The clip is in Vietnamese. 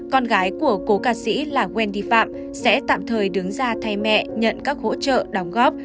con gái của cố ca sĩ là wendy phạm sẽ tạm thời đứng ra thay mẹ nhận các hỗ trợ đóng góp